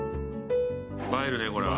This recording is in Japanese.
映えるねこれは。